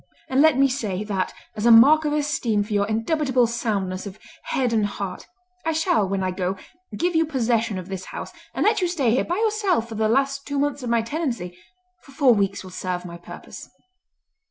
And let me say, that, as a mark of esteem for your indubitable soundness of head and heart, I shall, when I go, give you possession of this house, and let you stay here by yourself for the last two months of my tenancy, for four weeks will serve my purpose."